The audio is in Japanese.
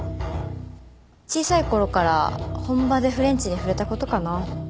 小さい頃から本場でフレンチに触れた事かな。